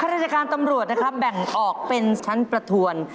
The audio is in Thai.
ราชการตำรวจนะครับแบ่งออกเป็นชั้นประทวน